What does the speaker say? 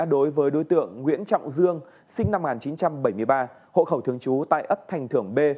đối với đối tượng nguyễn trọng dương sinh năm một nghìn chín trăm bảy mươi ba hộ khẩu thường trú tại ấp thành thưởng b